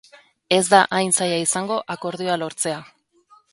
Ez da hain zaila izango akordioa lortzea.